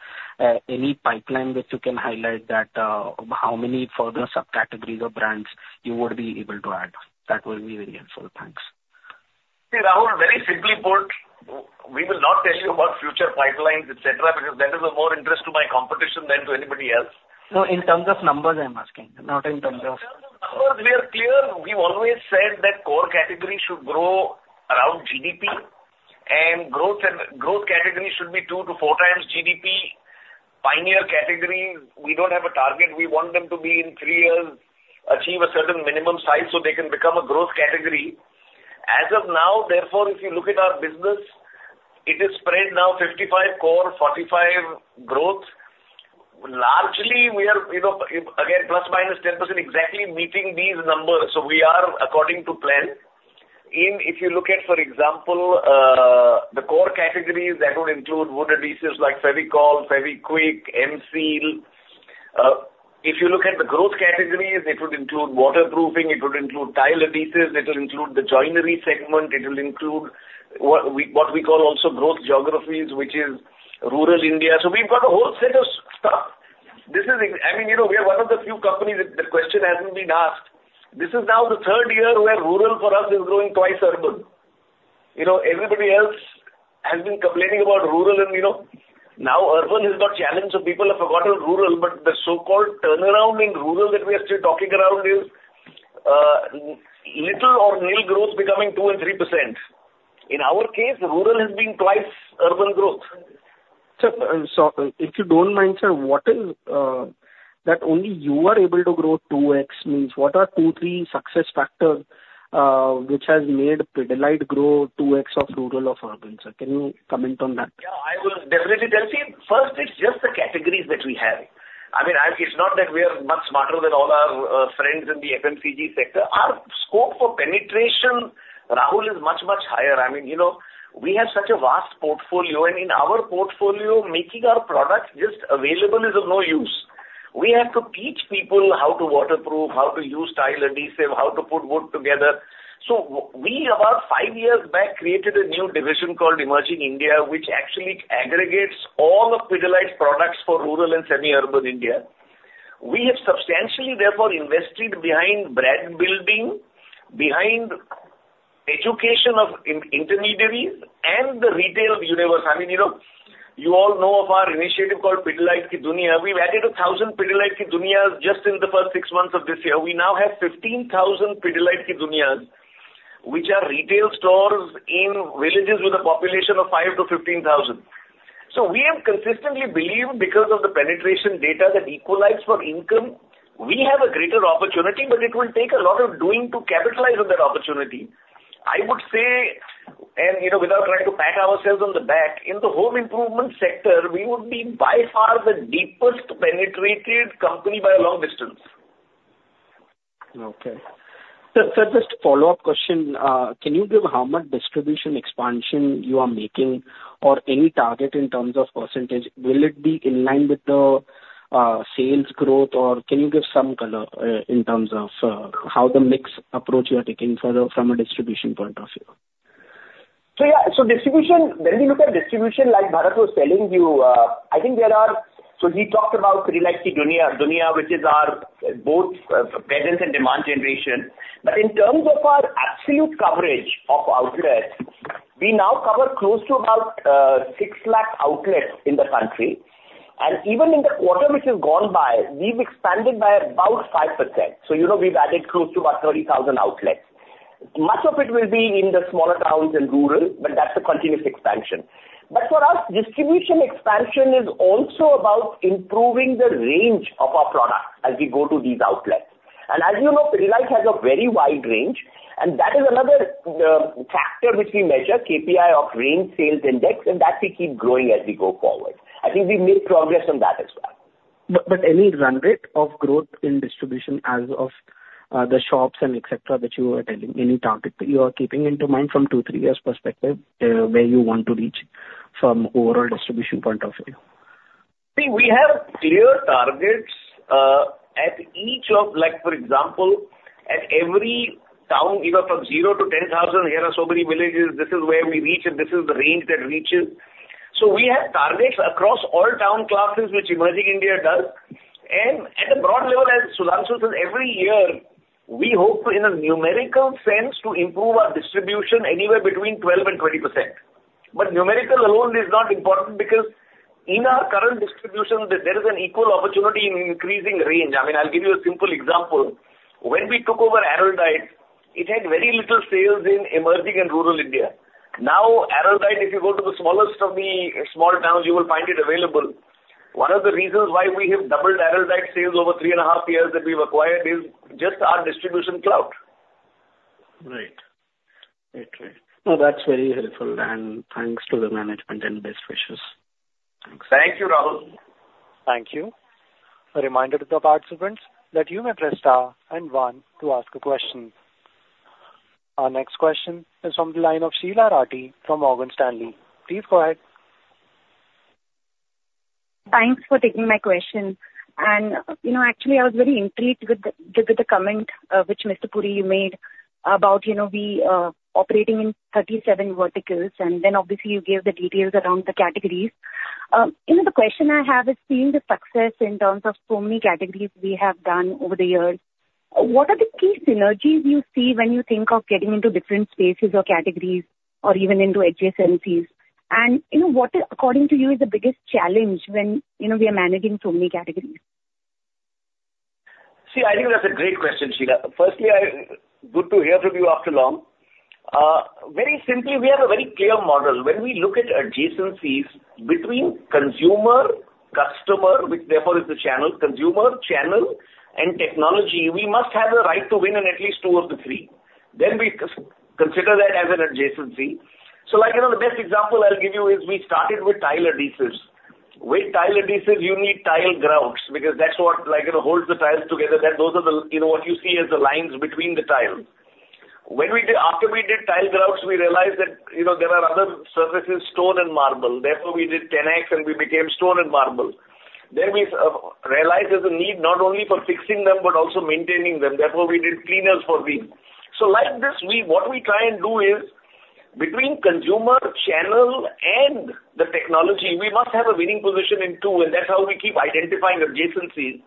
any pipeline which you can highlight that how many further subcategories or brands you would be able to add? That will be very helpful. Thanks.
See, Rahul, very simply put, we will not tell you about future pipelines, et cetera, because that is of more interest to my competition than to anybody else.
No, in terms of numbers, I'm asking, not in terms of-
In terms of numbers, we are clear. We've always said that core categories should grow around GDP, and growth categories should be two to four times GDP. Pioneer categories, we don't have a target. We want them to be, in three years, achieve a certain minimum size so they can become a growth category. As of now, therefore, if you look at our business, it is spread now 55 core, 45 growth. Largely, we are, you know, if, again, plus minus 10%, exactly meeting these numbers, so we are according to plan. In, if you look at, for example, the core categories, that would include wood adhesives like Fevicol, Fevikwik, M-Seal. If you look at the growth categories, it would include waterproofing, it would include tile adhesives, it will include the joinery segment, it will include what we, what we call also growth geographies, which is rural India. So we've got a whole set of stuff. This is I mean, you know, we are one of the few companies that the question hasn't been asked. This is now the third year where rural for us is growing twice urban. You know, everybody else has been complaining about rural and, you know, now urban has got challenged, so people have forgotten rural, but the so-called turnaround in rural that we are still talking around is little or nil growth becoming 2% and 3%. In our case, rural has been twice urban growth.
Sir, so if you don't mind, sir, what is that only you are able to grow 2X means? What are two, three success factors which has made Pidilite grow 2X of rural of urban, sir? Can you comment on that?
Yeah, I will definitely tell you. First, it's just the categories that we have. I mean, I, it's not that we are much smarter than all our friends in the FMCG sector. Our scope for penetration, Rahul, is much, much higher. I mean, you know, we have such a vast portfolio, and in our portfolio, making our products just available is of no use. We have to teach people how to waterproof, how to use tile adhesive, how to put wood together. So we, about five years back, created a new division called Emerging India, which actually aggregates all of Pidilite's products for rural and semi-urban India. We have substantially, therefore, invested behind brand building, behind education of intermediaries and the retail universe. I mean, you know, you all know of our initiative called Pidilite Ki Duniya. We've added 1,000 Pidilite Ki Duniya just in the first six months of this year. We now have 15,000 Pidilite Ki Duniya, which are retail stores in villages with a population of 5,000-15,000. We have consistently believed, because of the penetration data that equalizes for income, we have a greater opportunity, but it will take a lot of doing to capitalize on that opportunity. I would say, and, you know, without trying to pat ourselves on the back, in the home improvement sector, we would be by far the deepest penetrated company by a long distance.
Okay. Sir, sir, just a follow-up question. Can you give how much distribution expansion you are making or any target in terms of percentage? Will it be in line with the sales growth, or can you give some color in terms of how the mix approach you are taking for the from a distribution point of view?
Yeah, distribution, when we look at distribution, like Bharat was telling you, I think there are. He talked about Pidilite Ki Duniya, which is our both presence and demand generation. But in terms of our absolute coverage of outlets, we now cover close to about six lakh outlets in the country. And even in the quarter which has gone by, we've expanded by about 5%. So you know, we've added close to about 30,000 outlets. Much of it will be in the smaller towns and rural, but that's a continuous expansion. But for us, distribution expansion is also about improving the range of our products as we go to these outlets. And as you know, Pidilite has a very wide range, and that is another factor which we measure, KPI of range sales index, and that we keep growing as we go forward. I think we've made progress on that as well.
But any run rate of growth in distribution as of the shops and et cetera, that you were telling, any target that you are keeping into mind from two, three years perspective, where you want to reach from overall distribution point of view?
See, we have clear targets at each of, like, for example, at every town, you know, from 0-10,000, here are so many villages, this is where we reach and this is the range that reaches. So we have targets across all town classes, which Emerging India does. And at a broad level, as Sudhanshu says, every year, we hope to, in a numerical sense, to improve our distribution anywhere between 12 and 20%. But numerical alone is not important because in our current distribution, there is an equal opportunity in increasing range. I mean, I'll give you a simple example: When we took over Araldite, it had very little sales in emerging and rural India. Now, Araldite, if you go to the smallest of the small towns, you will find it available. One of the reasons why we have doubled Araldite sales over three and a half years that we've acquired is just our distribution clout.
Right. No, that's very helpful, and thanks to the management and best wishes. Thanks.
Thank you, Rahul.
Thank you. A reminder to the participants that you may press star and one to ask a question.... Our next question is from the line of Sheela Rathi from Morgan Stanley. Please go ahead.
Thanks for taking my question. And, you know, actually, I was very intrigued with the, with the comment, which, Mr. Puri, you made about, you know, we, operating in thirty-seven verticals, and then, obviously, you gave the details around the categories. You know, the question I have is, seeing the success in terms of so many categories we have done over the years, what are the key synergies you see when you think of getting into different spaces or categories or even into adjacencies? And, you know, what, according to you, is the biggest challenge when, you know, we are managing so many categories?
See, I think that's a great question, Sheela. Firstly, good to hear from you after long. Very simply, we have a very clear model. When we look at adjacencies between consumer, customer, which therefore is the channel, consumer, channel, and technology, we must have the right to win in at least two of the three. Then we consider that as an adjacency. So, like, you know, the best example I'll give you is we started with tile adhesives. With tile adhesives, you need tile grouts, because that's what, like, you know, holds the tiles together. That those are the, you know, what you see as the lines between the tiles. When we did, after we did tile grouts, we realized that, you know, there are other surfaces, stone and marble. Therefore, we did Tenax, and we became stone and marble. Then we realized there's a need not only for fixing them, but also maintaining them. Therefore, we did cleaners for weave. So, like this, what we try and do is, between consumer, channel, and the technology, we must have a winning position in two, and that's how we keep identifying adjacencies.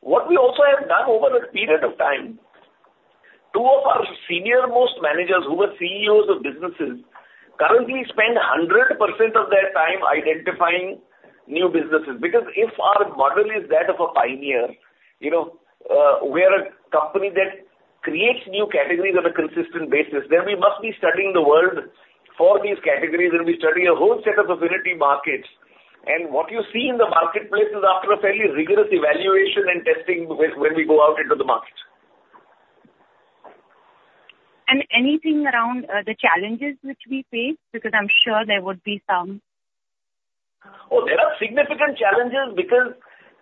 What we also have done over a period of time, two of our senior-most managers, who were CEOs of businesses, currently spend 100% of their time identifying new businesses. Because if our model is that of a pioneer, you know, we are a company that creates new categories on a consistent basis, then we must be studying the world for these categories, and we study a whole set of affinity markets. And what you see in the marketplace is after a fairly rigorous evaluation and testing when we go out into the market.
Anything around the challenges which we face? Because I'm sure there would be some.
Oh, there are significant challenges, because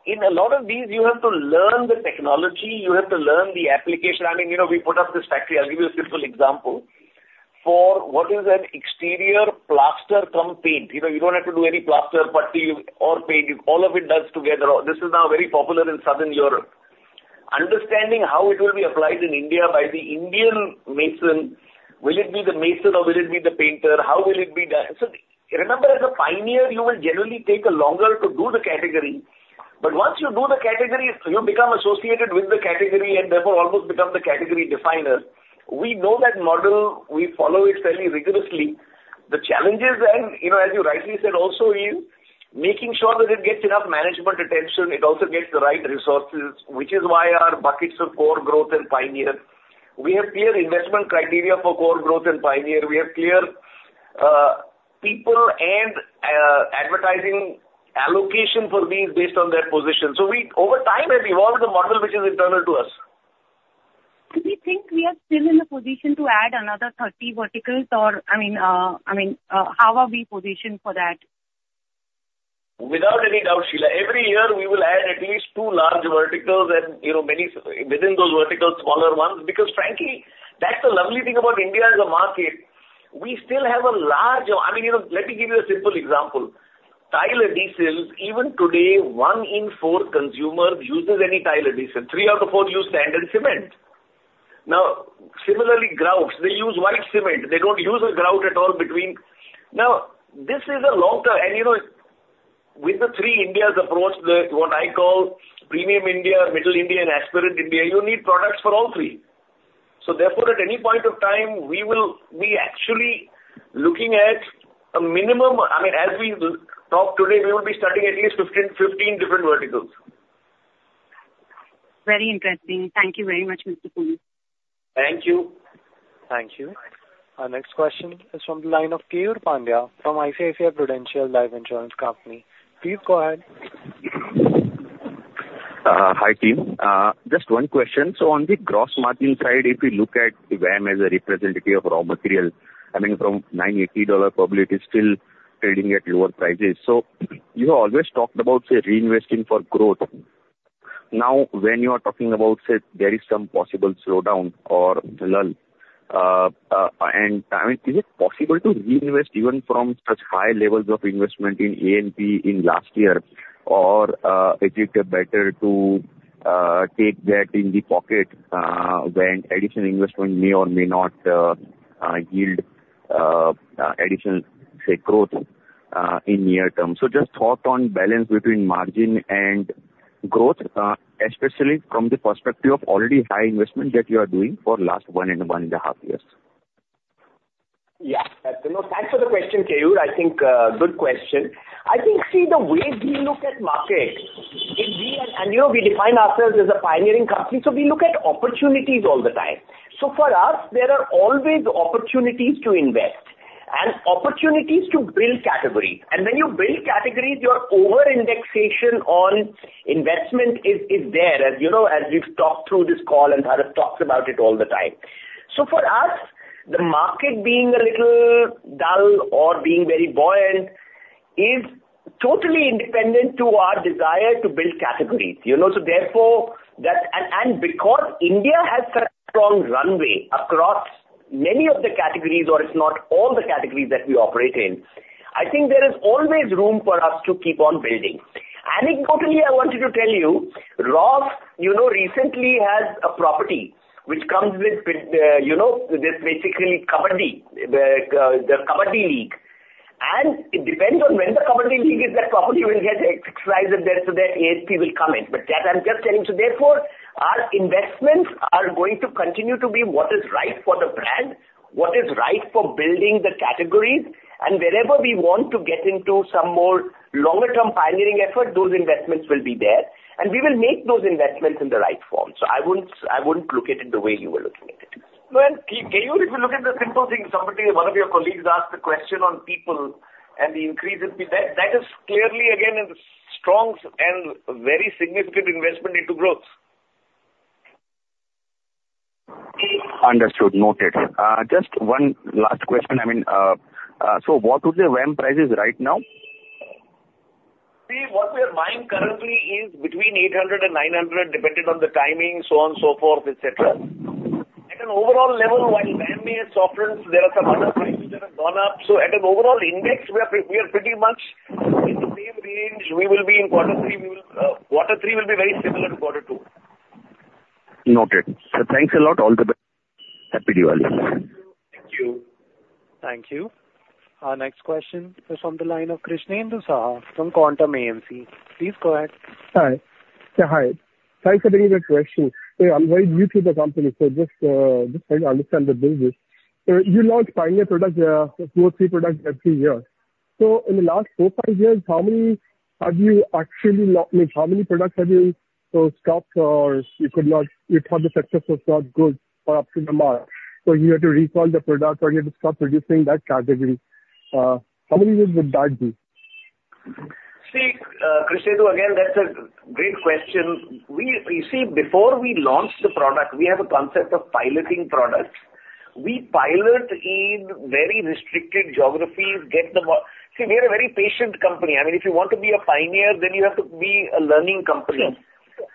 in a lot of these, you have to learn the technology, you have to learn the application. I mean, you know, we put up this factory. I'll give you a simple example. For what is an exterior plaster cum paint, you know, you don't have to do any plaster, putty or paint. All of it does together. This is now very popular in Southern Europe. Understanding how it will be applied in India by the Indian mason, will it be the mason or will it be the painter? How will it be done? So remember, as a pioneer, you will generally take a longer to do the category. But once you do the category, you become associated with the category and therefore almost become the category definer. We know that model. We follow it fairly rigorously. The challenges then, you know, as you rightly said, also, is making sure that it gets enough management attention. It also gets the right resources, which is why our buckets of core growth and pioneer. We have clear investment criteria for core growth and pioneer. We have clear people and advertising allocation for these based on their position. So we, over time, have evolved a model which is internal to us.
Do we think we are still in a position to add another 30 verticals? Or, I mean, how are we positioned for that?
Without any doubt, Sheela. Every year, we will add at least two large verticals and, you know, many within those verticals, smaller ones, because frankly, that's the lovely thing about India as a market. We still have a large... I mean, you know, let me give you a simple example. Tile adhesives, even today, one in four consumers uses any tile adhesive. Three out of four use standard cement. Now, similarly, grouts, they use white cement. They don't use a grout at all between. Now, this is a long term, and, you know, with the three Indias approach, the, what I call Premium India, Middle India, and Aspirant India, you need products for all three. So therefore, at any point of time, we will be actually looking at a minimum, I mean, as we talk today, we will be studying at least fifteen, fifteen different verticals.
Very interesting. Thank you very much, Mr. Puri.
Thank you.
Thank you. Our next question is from the line of Keyur Pandya from ICICI Prudential Life Insurance Company. Please go ahead.
Hi, team. Just one question. So on the gross margin side, if you look at VAM as a representative of raw material, I mean, from $980, probably it is still trading at lower prices. So you have always talked about, say, reinvesting for growth. Now, when you are talking about, say, there is some possible slowdown or lull, and, I mean, is it possible to reinvest even from such high levels of investment in A&P in last year? Or, is it better to take that in the pocket, when additional investment may or may not yield additional, say, growth in near term? So just thought on balance between margin and growth, especially from the perspective of already high investment that you are doing for last one and one and a half years.
Yeah. You know, thanks for the question, Keyur. I think good question. I think see, the way we look at markets, if we and you know, we define ourselves as a pioneering company, so we look at opportunities all the time. So for us, there are always opportunities to invest and opportunities to build categories. And when you build categories, your over-indexation on investment is there, as you know, as we've talked through this call, and Tarun talks about it all the time. So for us, the market being a little dull or being very buoyant is totally independent to our desire to build categories, you know? So therefore, that and because India has such strong runway across many of the categories, or if not all the categories that we operate in, I think there is always room for us to keep on building. Anecdotally, I wanted to tell you, Roff, you know, recently had a property which comes with, you know, this basically Kabaddi, the Kabaddi League. And it depends on when the Kabaddi League is, that property will get X price, and there so the ASP will come in. But that I'm just telling you, so therefore, our investments are going to continue to be what is right for the brand, what is right for building the categories, and wherever we want to get into some more longer-term pioneering effort, those investments will be there, and we will make those investments in the right form. So I wouldn't look at it the way you were looking at it. Can you also look at the simple thing? Somebody, one of your colleagues asked the question on people and the increase in people. That is clearly again a strong and very significant investment into growth.
Understood. Noted. Just one last question. I mean, so what would be VAM prices right now?
See, what we are buying currently is between $800 and $900, depending on the timing, so on, so forth, et cetera. At an overall level, while VAM may have softened, there are some other prices that have gone up. At an overall index, we are pretty much in the same range we will be in quarter three. We will, quarter three will be very similar to quarter two.
Noted. So thanks a lot. All the best. Happy Diwali!
Thank you.
Thank you. Our next question is from the line of Krishnendu Saha from Quantum AMC. Please go ahead.
Hi. Yeah, hi. Thanks for taking the question. I'm very new to the company, so just trying to understand the business. You launch pioneer products, two or three products every year. So in the last four, five years, how many have you actually launched? I mean, how many products have you, sort of, stopped or you could not... You thought the success was not good or up to the mark, so you had to recall the product or you had to stop producing that category? How many would that be?
See, Krishnendu, again, that's a great question. We. You see, before we launch the product, we have a concept of piloting products. We pilot in very restricted geographies, get the more. See, we are a very patient company. I mean, if you want to be a pioneer, then you have to be a learning company.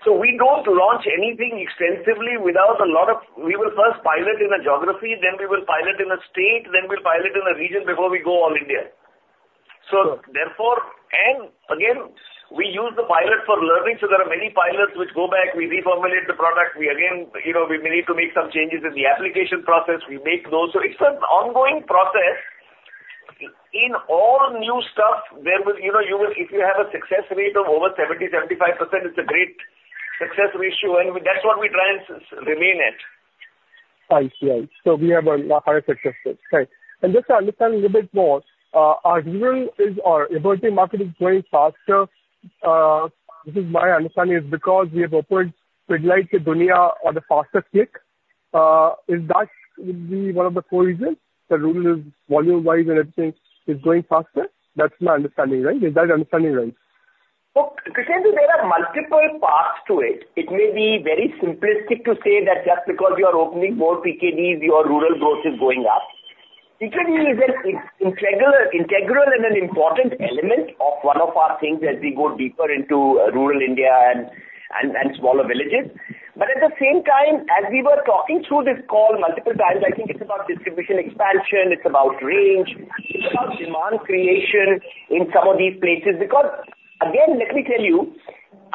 So we don't launch anything extensively without a lot of... We will first pilot in a geography, then we will pilot in a state, then we'll pilot in a region before we go all India. So therefore, and again, we use the pilot for learning, so there are many pilots which go back, we reformulate the product. We again, you know, we may need to make some changes in the application process. We make those. So it's an ongoing process. In all new stuff, if you have a success rate of over 70-75%, it's a great success ratio, and that's what we try and remain at.
I see. So we have a higher success rate. Right. And just to understand a little bit more, our rural is, or emerging market is growing faster. This is my understanding, is because we have opened Pidilite Ki Duniya on a faster clip. Is that would be one of the core reasons? The rural is volume-wise and everything is growing faster. That's my understanding, right? Is that understanding right?
So, Krishnendu, there are multiple paths to it. It may be very simplistic to say that just because you are opening more PKD, your rural growth is going up. PKD is an integral, integral and an important element of one of our things as we go deeper into rural India and smaller villages. But at the same time, as we were talking through this call multiple times, I think it's about distribution expansion, it's about range, it's about demand creation in some of these places. Because, again, let me tell you,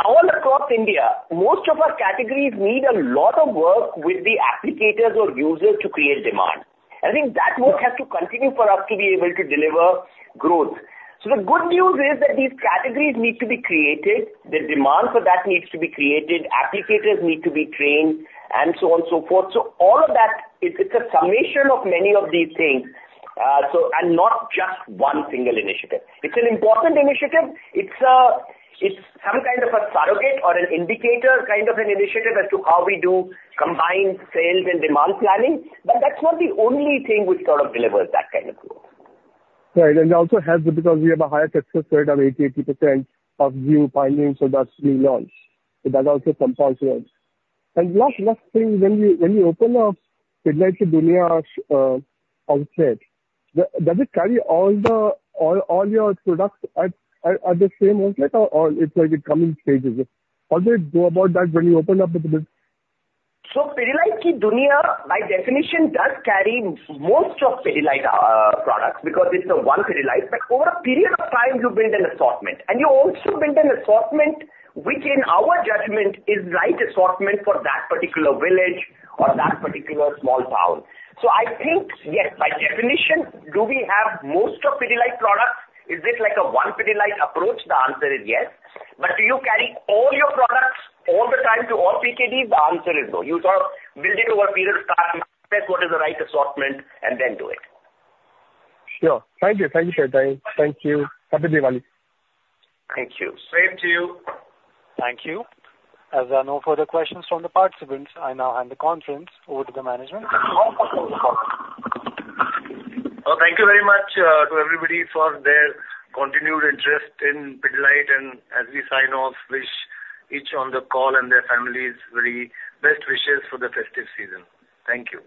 all across India, most of our categories need a lot of work with the applicators or users to create demand. I think that work has to continue for us to be able to deliver growth. So the good news is that these categories need to be created, the demand for that needs to be created, applicators need to be trained, and so on and so forth. So all of that, it's a summation of many of these things, and not just one single initiative. It's an important initiative. It's some kind of a surrogate or an indicator, kind of an initiative as to how we do combined sales and demand planning, but that's not the only thing which sort of delivers that kind of growth.
Right, and it also helps because we have a higher success rate of 80% of new pioneering, so that's relaunch. So that also compounds growth. And last thing, when you open up Pidilite Ki Duniya outlet, does it carry all your products at the same outlet or it's like it come in stages? How do you go about that when you open up the business?
So Pidilite Ki Duniya, by definition, does carry most of Pidilite products, because it's the one Pidilite. But over a period of time, you build an assortment, and you also build an assortment, which, in our judgment, is right assortment for that particular village or that particular small town. So I think, yes, by definition, do we have most of Pidilite products? Is it like a one Pidilite approach? The answer is yes. But do you carry all your products all the time to all PKD? The answer is no. You sort of build it over a period of time, test what is the right assortment, and then do it.
Sure. Thank you. Thank you for your time. Thank you. Happy Diwali!
Thank you.
Same to you.
Thank you. As there are no further questions from the participants, I now hand the conference over to the management.
Thank you very much to everybody for their continued interest in Pidilite, and as we sign off, wish each on the call and their families very best wishes for the festive season. Thank you.